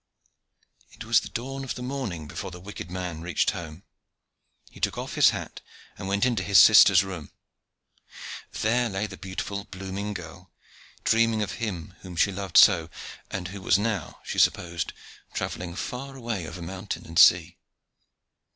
It was the dawn of morning before the wicked man reached home; he took off his hat, and went into his sister's room. There lay the beautiful, blooming girl, dreaming of him whom she loved so, and who was now, she supposed, travelling far away over mountain and sea.